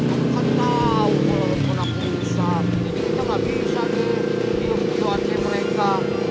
aku kan tau kalo lepon aku bisa tapi kita gak bisa tuh pilih pesawatnya mereka